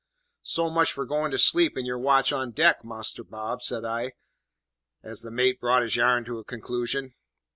"So much for going to sleep in your watch on deck, Master Bob," said I, as the mate brought his yarn to a conclusion.